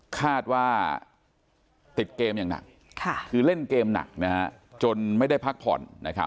คาดว่าติดเกมอย่างหนักคือเล่นเกมหนักจนไม่ได้พักผ่อน